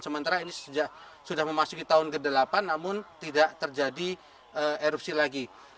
sementara ini sudah memasuki tahun ke delapan namun tidak terjadi erupsi lagi